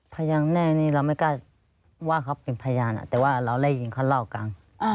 พยานแน่นี้เราไม่กล้าว่าเขาเป็นพยานแต่ว่าเราไล่ยิงเขาเล่ากัน